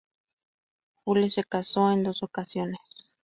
Jules se casó en dos ocasiones.